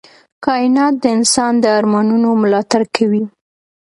کائنات د انسان د ارمانونو ملاتړ کوي.